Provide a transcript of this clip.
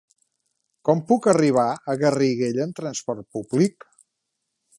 Com puc arribar a Garriguella amb trasport públic?